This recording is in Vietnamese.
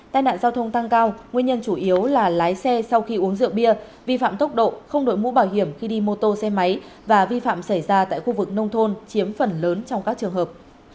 tai nạn giao thông tăng cao nguyên nhân chủ yếu là lái xe sau khi uống rượu bia vi phạm tốc độ không đổi mũ bảo hiểm khi đi mô tô xe máy và vi phạm xảy ra tại khu vực nông thôn chiếm phần lớn trong các trường hợp